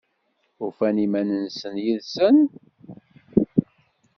Ufan iman-nsen yid-sen?